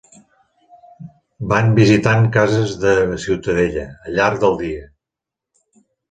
Van visitant cases de Ciutadella al llarg dia.